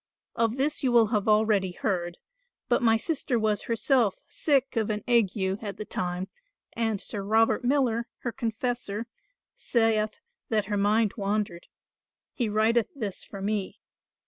Of this you will have already heard: but my sister was herself sick of an ague at the time and Sir Robert Miller, her confessor, saith that her mind wandered. He writeth this for me.